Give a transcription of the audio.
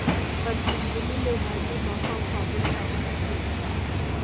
پر پینځه نیمې بجې ماښام کابل ته ورسېدم.